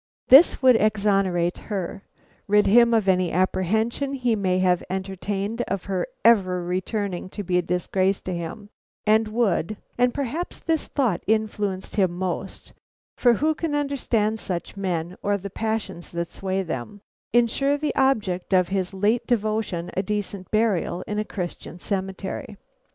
This would exonerate her, rid him of any apprehension he may have entertained of her ever returning to be a disgrace to him, and would (and perhaps this thought influenced him most, for who can understand such men or the passions that sway them) insure the object of his late devotion a decent burial in a Christian cemetery.